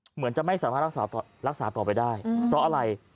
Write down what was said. เหมือนจะไม่สามารถรักษาต่อไปได้เพราะอะไร